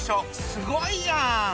すごいやん！